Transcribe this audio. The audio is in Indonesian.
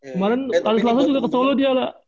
kemarin tadi selesai juga ke solo dia lah